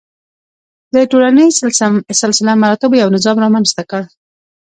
د ټولنیز سلسله مراتبو یو نظام رامنځته کړ.